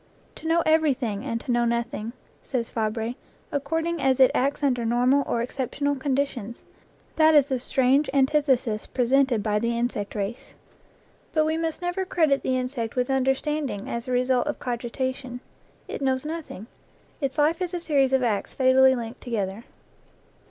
"To know everything and to know nothing," says Fabre, "according as it acts under normal or exceptional conditions : that is the strange antithesis presented by the insect race." But we must never credit the insect with under standing as the result of cogitation; it knows noth ing; its life is a series of acts fatally linked together.